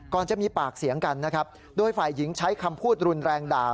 จะมีปากเสียงกันนะครับโดยฝ่ายหญิงใช้คำพูดรุนแรงด่า